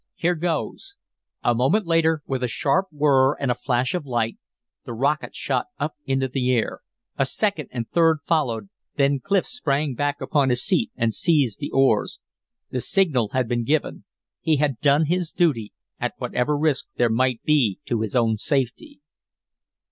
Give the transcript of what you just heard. "Here goes!" A moment later, with a sharp whirr and a flash of light, the rocket shot up into the air. A second and third followed; then Clif sprang back upon his seat and seized the oars. The signal had been given. He had done his duty at whatever risk there might be to his own safety.